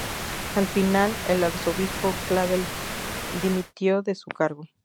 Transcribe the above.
Al final, el arzobispo Clavel dimitió de su cargo.